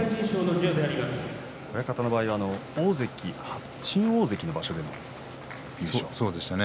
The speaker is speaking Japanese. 親方の場合は新大関の場所でしたね。